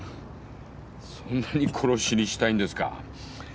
そんなに殺しにしたいんですか？